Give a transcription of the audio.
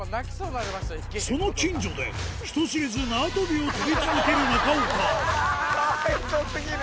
その近所で人知れず縄跳びを跳び続ける中岡かわいそうすぎる。